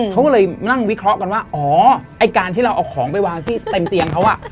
เขาก็เลยนั่งวิเคราะห์กันว่าอ๋อไอ้การที่เราเอาของไปวางที่เต็มเตียงเขาอ่ะ